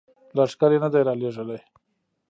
لښکر یې نه دي را لیږلي.